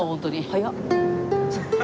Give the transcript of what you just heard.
早っ。